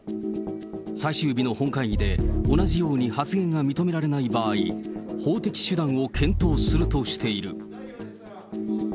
最終日の本会議で、同じように発言が認められない場合、法的手段を検討するとしている。